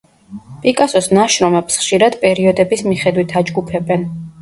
პიკასოს ნაშრომებს ხშირად პერიოდების მიხედვით აჯგუფებენ.